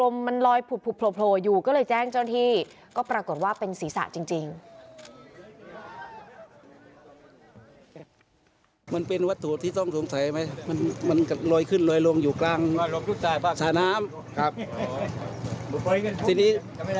มันลอยโผล่อยู่ก็เลยแจ้งเจ้าที่